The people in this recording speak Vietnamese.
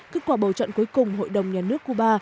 kết quả bầu chọn cuối cùng hội đồng nhà nước cuba